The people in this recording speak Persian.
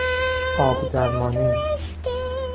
آب درمانی